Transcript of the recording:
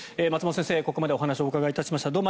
松本先生にここまでお話を伺いました。